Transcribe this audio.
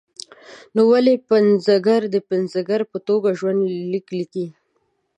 نو ولې پنځګر د پنځګر په توګه ژوند لیک لیکي.